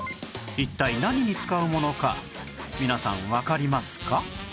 一体何に使うものか皆さんわかりますか？